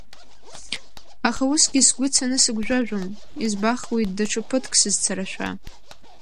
Аха усгьы сгәы цаны сыгәжәажәом, избахуеит даҽа ԥыҭк сызцарашәа.